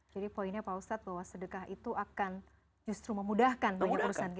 jadi poinnya pak ustaz bahwa sedekah itu akan justru memudahkan banyak urusan kita